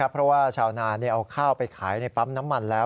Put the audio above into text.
เพราะว่าชาวนาเอาข้าวไปขายในปั๊มน้ำมันแล้ว